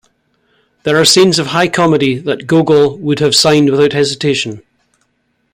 There are scenes of high comedy that Gogol would have signed without hesitation.